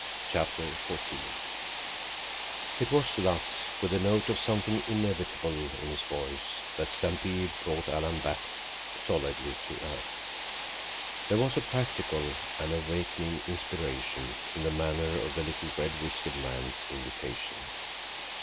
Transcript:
CHAPTER XIV It was thus, with a note of something inevitable in his voice, that Stampede brought Alan back solidly to earth. There was a practical and awakening inspiration in the manner of the little red whiskered man's invitation.